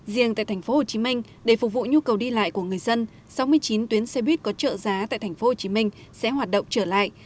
riêng tại tp hcm để phục vụ nhu cầu đi lại của người dân sáu mươi chín tuyến xe buýt có trợ giá tại tp hcm sẽ hoạt động trở lại